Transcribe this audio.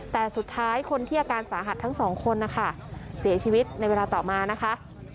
แต่สุดท้ายคนที่อาการสาหัสทั้งสองคนนะคะเสียชีวิตในเวลาต่อมานะคะ